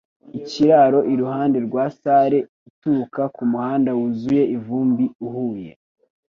Ikiraro iruhande rwa salle itukura kumuhanda wuzuye ivumbi uhuye